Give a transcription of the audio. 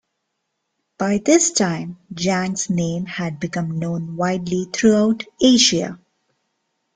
By this time, Jang's name had become known widely throughout Asia.